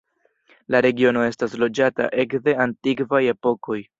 La regiono estas loĝata ekde antikvaj epokoj.